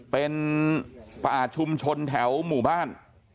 เป็นป่าชุมชนแถวหมู่บ้าน